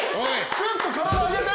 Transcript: グッと体上げて！